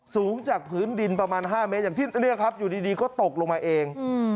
สูงจากพื้นดินประมาณ๕เมตรอย่างที่เนี่ยครับอยู่ดีก็ตกลงมาเอง